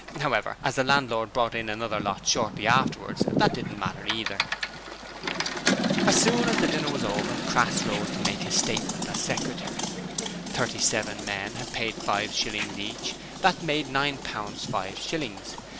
However, as the landlord brought in another lot shortly afterwards, that didn't matter either. As soon as dinner was over, Crass rose to make his statement as secretary. Thirty seven men had paid five shillings each: that made nine pounds five shillings.